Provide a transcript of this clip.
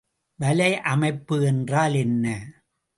வலையமைப்பு என்றால் என்ன?